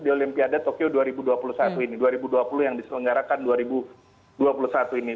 di olimpiade tokyo dua ribu dua puluh satu ini dua ribu dua puluh yang diselenggarakan dua ribu dua puluh satu ini